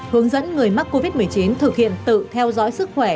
hướng dẫn người mắc covid một mươi chín thực hiện tự theo dõi sức khỏe